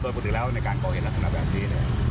ปกติแล้วในการก่อเหตุลักษณะแบบนี้